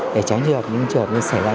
để tránh những trợt xảy ra